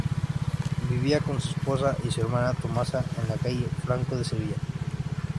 Vivía con su esposa y su hermana Tomasa en la calle Francos de Sevilla.